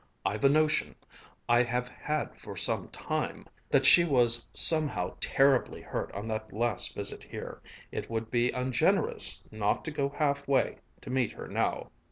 I've a notion I have had for some time that she was somehow terribly hurt on that last visit here. It would be ungenerous not to go half way to meet her now."